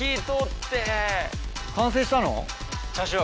完成したの？